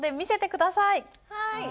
はい！